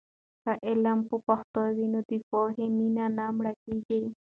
که علم په پښتو وي، نو د پوهې مینه نه مړه کېږي.